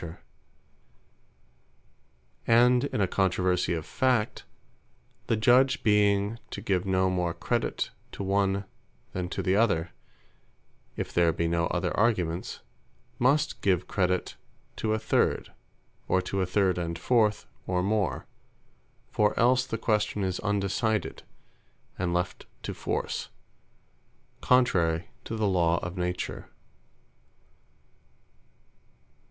The Nineteenth, Of Witnesse And in a controversie of Fact, the Judge being to give no more credit to one, than to the other, (if there be no other Arguments) must give credit to a third; or to a third and fourth; or more: For else the question is undecided, and left to force, contrary to the Law of Nature.